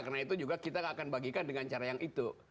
karena itu juga kita akan bagikan dengan cara yang itu